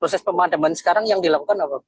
proses pemadaman sekarang yang dilakukan apa